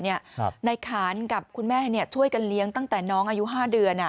นายขานกับคุณแม่ช่วยกันเลี้ยงตั้งแต่น้องอายุ๕เดือน